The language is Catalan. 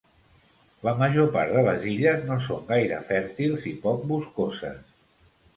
La major part de les illes no són gaire fèrtils i poc boscoses.